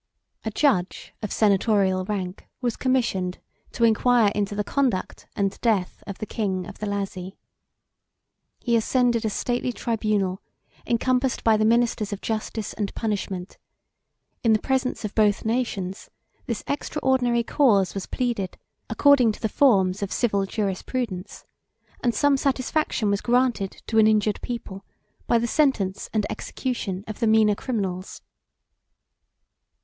A judge of senatorial rank was commissioned to inquire into the conduct and death of the king of the Lazi. He ascended a stately tribunal, encompassed by the ministers of justice and punishment: in the presence of both nations, this extraordinary cause was pleaded, according to the forms of civil jurisprudence, and some satisfaction was granted to an injured people, by the sentence and execution of the meaner criminals.